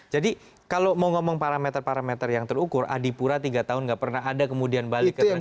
jadi kalau mau ngomong parameter parameter yang terukur adipura tiga tahun tidak pernah ada kemudian balik ke terenggalek